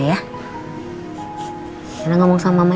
kau bisa berbicara dengan mama